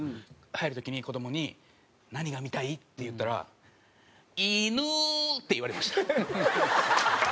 入る時に子供に「何が見たい？」って言ったら「犬！」って言われました。